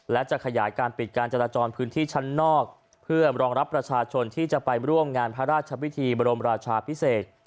และจะขยายการปิดการจราจรพื้นที่ชั้นนอกเพื่อรองรับประชาชนที่จะไปร่วมงานพระราชพิธีบรมราชาพิเศษ